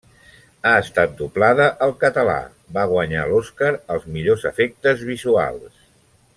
Ha estat doblada al català Va guanyar l'Òscar als millors efectes visuals.